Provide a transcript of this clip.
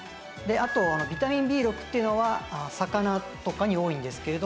あとビタミンＢ６っていうのは魚とかに多いんですけれども。